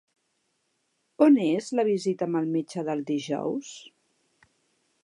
On és la visita amb el metge del dijous?